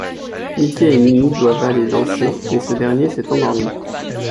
Mickey et Minnie doivent aller danser mais ce dernier s'est endormi.